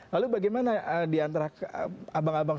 lalu bagaimana di antara abang abang semuanya